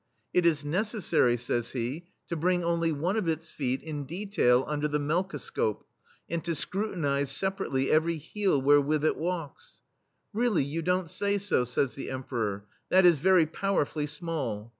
"It is necessary, says he, "to bring only one of its feet, in detail, under the melkoscope, and to scrutinize sepa rately every heel wherewith it walks." "Really, you don't say so, says the Emperor. "That is very powerfully small.